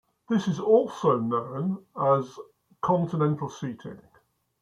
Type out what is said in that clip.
This is also known as continental seating.